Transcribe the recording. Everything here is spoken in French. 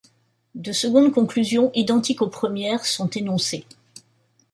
De secondes conclusions, identiques aux premières, sont énoncées.